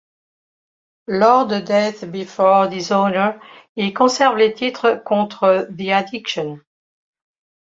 Lors de Death Before Dishonor, ils conservent les titres contre The Addiction.